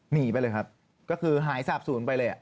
หนีไปเลยครับก็คือหายสาบศูนย์ไปเลย